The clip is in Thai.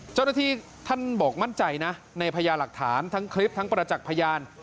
เจ้าหน้าที่ท่านบอกมั่นใจนะในพญาหลักฐานทั้งคลิปทั้งประจักษ์พยาน